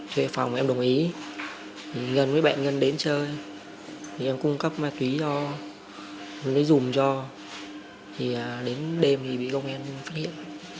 thuê phòng em đồng ý ngân với bạn ngân đến chơi em cung cấp ma túy cho lấy dùm cho đến đêm thì bị công nghệ phát hiện